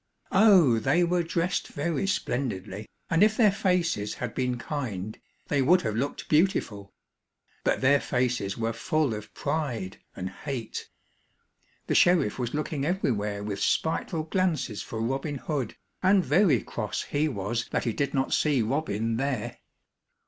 Oh! they were dressed very splendidly, and if their faces had been kind, they would have looked beautiful. But their faces were full of pride and hate. The sheriff was looking everywhere with spiteful glances for Robin Hood, and very cross he was that he did not see Robin there.